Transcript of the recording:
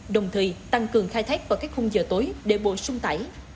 đồng thời tăng cường khai thác vào các khung giờ tối để bổ sung tải